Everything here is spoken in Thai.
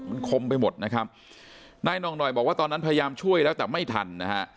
มันคมไปหมดนะครับนายน่องหน่อยบอกว่าตอนนั้นพยายามช่วยแล้วแต่ไม่ทันนะฮะ